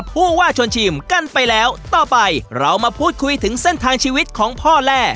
ผู้ว่าชวนชิมกันไปแล้วต่อไปเรามาพูดคุยถึงเส้นทางชีวิตของพ่อแร่